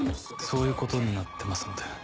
そういうことになってますので。